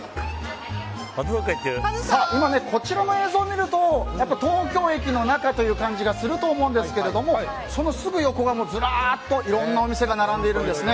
こちらの映像を見ると東京駅の中という感じがすると思うんですけれどもそのすぐ横がずらっといろんなお店が並んでいるんです。